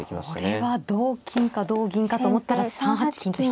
これは同金か同銀かと思ったら３八金と引きました。